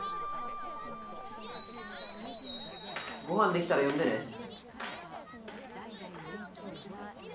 ごはんできたら呼んでね。